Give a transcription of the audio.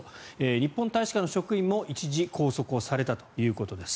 日本大使館の職員も一時拘束されたということです。